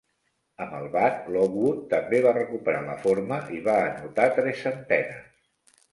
Amb el bat, Lockwood també va recuperar la forma i va anotar tres centenes.